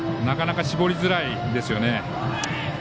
なかなか絞りづらいですね。